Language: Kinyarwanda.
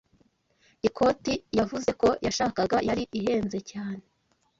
Ikoti yavuze ko yashakaga yari ihenze cyane.